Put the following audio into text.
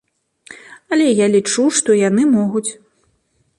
Але я лічу, што яны могуць.